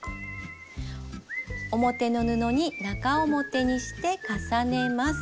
表の布に中表にして重ねます。